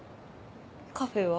カフェは？